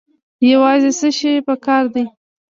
یوازې څه شی پکار دی؟